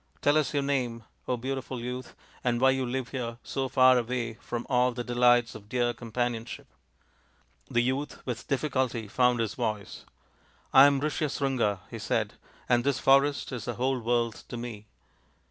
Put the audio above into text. Tell us your name, beautiful youth, and why you live here, so far away from all the delights of dear companionship ?" The youth with difficulty found his voice. " I am Rishyasringa," he said, " and this forest is the whole world to me.